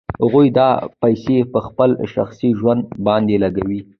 هغوی دا پیسې په خپل شخصي ژوند باندې لګوي